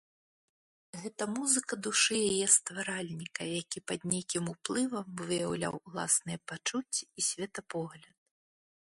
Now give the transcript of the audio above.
Гэта музыка душы яе стваральніка, які пад нейкім уплывам выяўляў уласныя пачуцці і светапогляд.